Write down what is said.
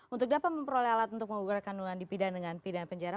untuk dapat memperoleh alat untuk menggugurkan kandungan di pidana dengan pidana penjara